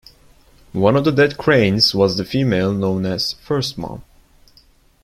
One of the dead cranes was the female known as "First Mom".